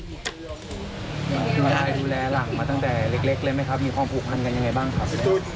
มาได้ดูแลหลังมาตั้งแต่เล็กเลยไหมครับมีความผูกพันกันยังไงบ้างครับ